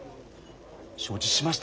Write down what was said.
「承知しました」